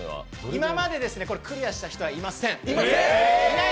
今までクリアした人はいません。